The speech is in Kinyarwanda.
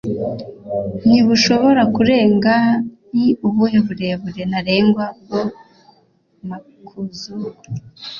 ntibushobora kurenga m ni ubuhe burebure ntarengwa bwo makuzugu